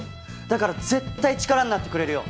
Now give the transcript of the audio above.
だから絶対力になってくれるよ。